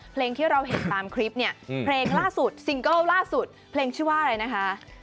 เพลงที่เราเห็นตามคลิปเนี่ยเพลงล่าสุดซิงเกิลล่าสุดเพลงชื่อว่าอะไรนะคะ